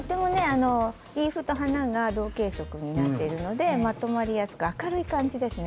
リーフと花が同系色になっているので、まとまりやすく明るい感じですね。